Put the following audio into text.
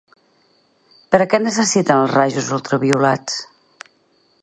Per a què necessiten els rajos ultraviolats?